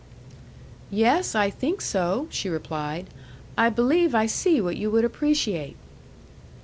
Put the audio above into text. "Yes, I think so," she replied. "I believe I see what you would appreciate."